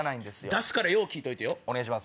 出すからよう聞いといてよ。